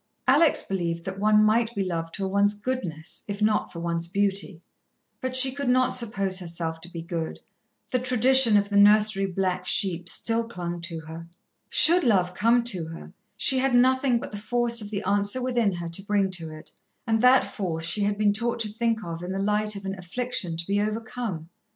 Alex believed that one might be loved for one's goodness, if not for one's beauty. But she could not suppose herself to be good. The tradition of the nursery black sheep still clung to her. Should love come to her, she had nothing but the force of the answer within her to bring to it, and that force she had been taught to think of in the light of an affliction to be overcome.